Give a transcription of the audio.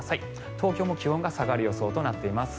東京も気温が下がる予想となっています。